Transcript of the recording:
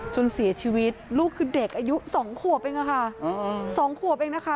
จนเสียชีวิตลูกคือเด็กอายุ๒ขวบเองค่ะสองขวบเองนะคะ